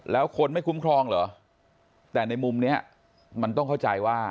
แล้วคนไม่คุ้มครองเหรอแต่ในมุมนี้มันต้องเข้าใจว่า